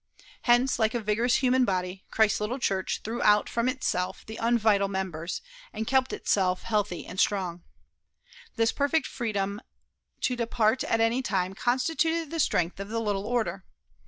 Hence, like a vigorous human body, Christ's little church threw out from itself the unvital members, and kept itself healthy and strong. This perfect freedom to depart at any time constituted the strength of the little order.